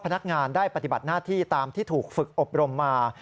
พนักงานได้ปฏิบัติหน้าที่ตามที่ถูกฝึกอบรมมา